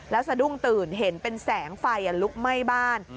แล้วสะดุ้งตื่นเห็นเป็นแสงไฟลุกไหม้บ้าน